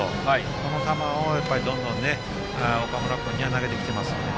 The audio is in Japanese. この球をどんどん岡村君には投げてきていますね。